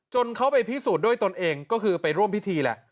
เขาไปพิสูจน์ด้วยตนเองก็คือไปร่วมพิธีแหละ